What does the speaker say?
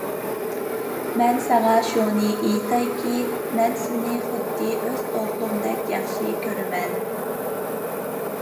مەن ساڭا شۇنى ئېيتايكى، مەن سېنى خۇددى ئۆز ئوغلۇمدەك ياخشى كۆرىمەن.